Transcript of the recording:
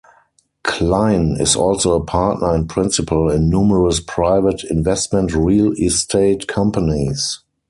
Klein is also a partner and principal in numerous private investment real estate companies.